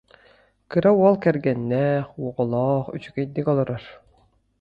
Кыра уол кэргэннээх, оҕолоох, үчүгэйдик олорор